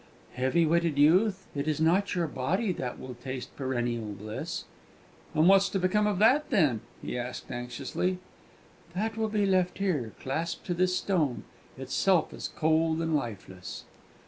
"Heavy witted youth, it is not your body that will taste perennial bliss." "And what's to become of that, then?" he asked, anxiously. "That will be left here, clasped to this stone, itself as cold and lifeless."